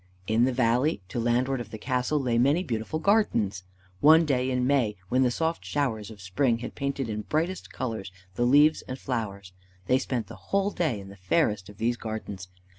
In the valley, to landward of the castle, lay many beautiful gardens. One day in May, when the soft showers of spring had painted in brightest colors the leaves and flowers, they spent the whole day in the fairest of these gardens.